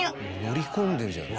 乗り込んでんじゃん。